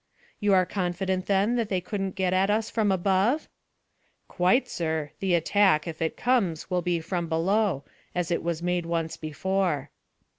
"You are confident, then, that they couldn't get at us from above?" "Quite, sir. The attack, if it comes, will be from below, as it was made once before."